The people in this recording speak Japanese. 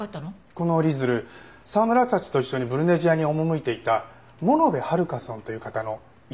この折り鶴沢村たちと一緒にブルネジアに赴いていた物部遥さんという方の遺品かもしれません。